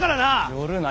寄るな！